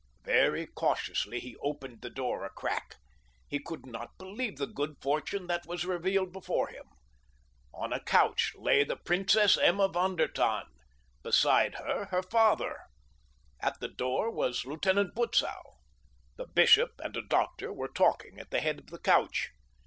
Very cautiously he opened the door a crack. He could not believe the good fortune that was revealed before him. On a couch lay the Princess Emma von der Tann. Beside her her father. At the door was Lieutenant Butzow. The bishop and a doctor were talking at the head of the couch.